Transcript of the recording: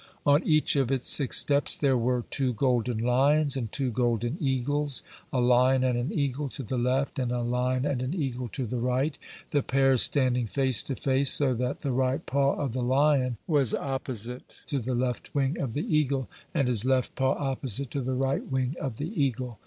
On each of its six steps there were two golden lions and two golden eagles, a lion and an eagle to the left, and a lion and an eagle to the right, the pairs standing face to face, so that the right paw of the lion was opposite to the left wing of the eagle, and his left paw opposite to the right wing of the eagle.